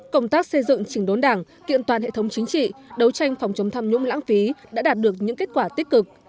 công tác xây dựng chỉnh đốn đảng kiện toàn hệ thống chính trị đấu tranh phòng chống tham nhũng lãng phí đã đạt được những kết quả tích cực